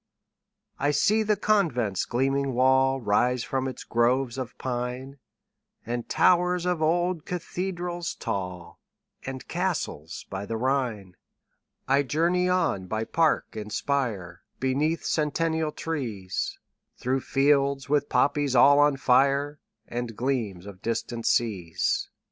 I see the convent's gleaming wall Rise from its groves of pine, And towers of old cathedrals tall, And castles by the Rhine. 20 I journey on by park and spire, Beneath centennial trees, Through fields with poppies all on fire, And gleams of distant seas.